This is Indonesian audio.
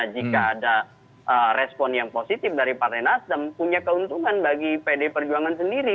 jika ada respon yang positif dari partai nasdem punya keuntungan bagi pd perjuangan sendiri